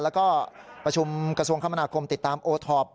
แล้วก็ประชุมกระทรวงคมนาคมติดตามโอท็อป